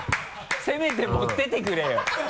せめて盛っててくれよ！